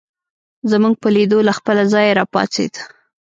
زموږ په لیدو له خپله ځایه راپاڅېد.